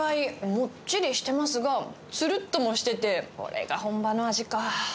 もっちりしてますが、つるっともしてて、これが本場の味か。